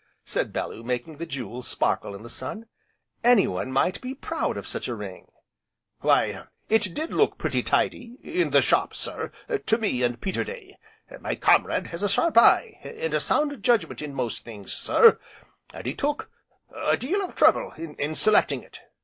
said Bellew, making the jewels sparkle in the sun, "anyone might be proud of such a ring." "Why, it did look pretty tidy in the shop, sir, to me, and Peterday. My comrade has a sharp eye, and a sound judgment in most things, sir and we took a deal of trouble in selecting it.